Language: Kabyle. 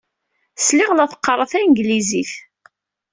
Sliɣ la teqqareḍ tanglizit.